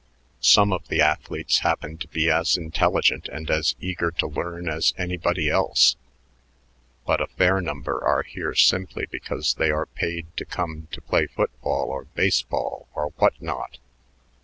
Some of the athletes happen to be as intelligent and as eager to learn as anybody else, but a fair number are here simply because they are paid to come to play football or baseball or what not.